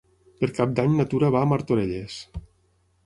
Per Cap d'Any na Tura va a Martorelles.